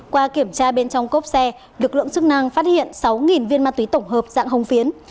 qua kiểm tra bên trong cốp xe lực lượng chức năng phát hiện sáu viên ma túy tổng hợp dạng hồng phiến